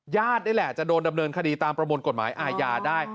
นี่แหละจะโดนดำเนินคดีตามประมวลกฎหมายอาญาได้